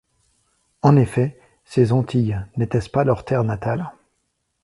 En effet, ces Antilles, n’était-ce pas leur terre natale?...